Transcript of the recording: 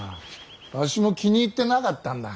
わしも気に入ってなかったんだ。